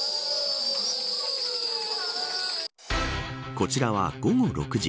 こちらは、午後６時。